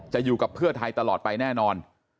อยู่กับเพื่อไทยตลอดไปแน่นอน